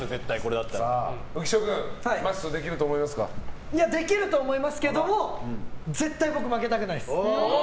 浮所君できると思いますけど絶対、僕、負けたくないです。